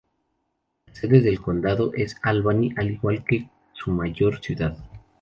La sede del condado es Albany, al igual que su mayor ciudad.